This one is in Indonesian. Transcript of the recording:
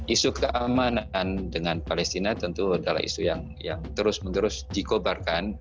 isu keamanan dengan palestina tentu adalah isu yang terus menerus dikobarkan